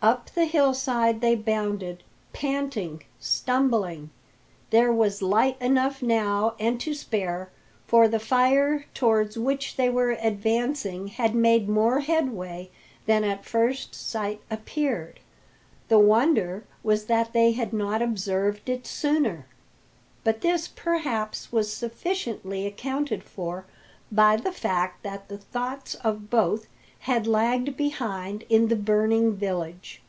Up the hillside they bounded, panting, stumbling. There was light enough now and to spare, for the fire towards which they were advancing had made more headway than at first sight appeared. The wonder was that they had not observed it sooner; but this perhaps was sufficiently accounted for by the fact that the thoughts of both had lagged behind in the burning village.